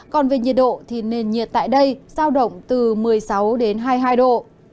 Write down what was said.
còn về nhiệt độ thì nền nhiệt tại đây giao động từ một mươi sáu đến hai mươi hai độ